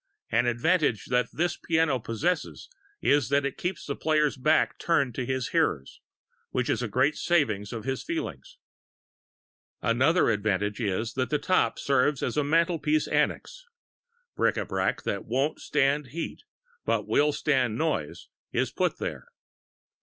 An advantage that this piano possesses is that it keeps the player's back turned to his hearers, which is a great saving to his feelings. Another advantage is that the top serves as a mantelpiece annex; bric a brac that won't stand heat but will stand noise is put there.